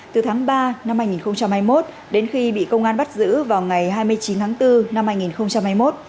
từ tháng ba năm hai nghìn hai mươi một đến khi bị công an bắt giữ vào ngày hai mươi chín tháng bốn năm hai nghìn hai mươi một